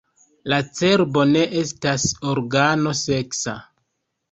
La cerbo ne estas organo seksa.